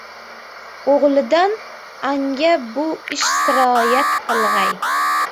O‘g‘lidan anga bu ish siroyat qilg‘ay.